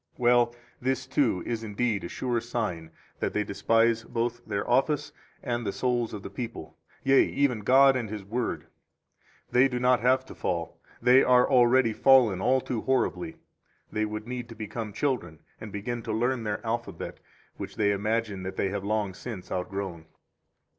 Well, this, too, is indeed a sure sign that they despise both their office and the souls of the people, yea, even God and His Word. They do not have to fall, they are already fallen all too horribly; they would need to become children, and begin to learn their alphabet, which they imagine that they have long since outgrown.